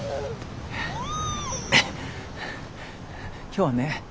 今日はね